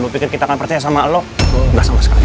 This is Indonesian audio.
lo pikir kita akan percaya sama lo gak sama sekali